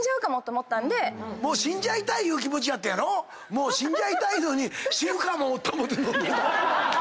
もう死んじゃいたいのに死ぬかもと思って飲んでた？